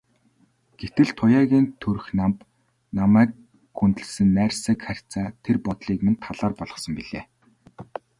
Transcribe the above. Гэтэл Туяагийн төрх намба, намайг хүндэлсэн найрсаг харьцаа тэр бодлыг минь талаар болгосон билээ.